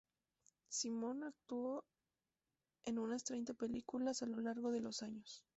Simon actuó en unas treinta películas a lo largo de los años.